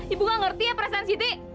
ibu gak ngerti ya perasaan siti